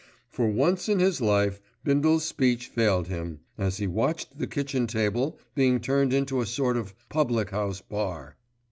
For once in his life Bindle's speech failed him, as he watched the kitchen table being turned into a sort of public house bar.